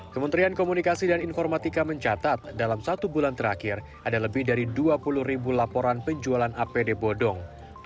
kementerian komunikasi dan informatika mencatat dalam satu bulan terakhir ada lebih dari dua puluh ribu laporan penjualan apd bodong